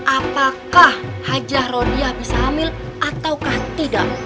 apakah hajah rodiah bisa hamil ataukah tidak